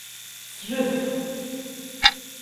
Slef.